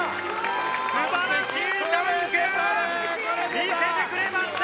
魅せてくれました！